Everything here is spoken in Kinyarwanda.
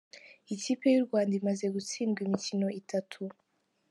Ikipe y’u Rwanda imaze gutsindwa imikino itatu